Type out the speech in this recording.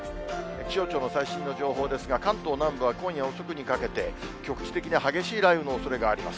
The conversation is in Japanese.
気象庁の最新の情報ですが、関東南部は今夜遅くにかけて、局地的に激しい雷雨のおそれがあります。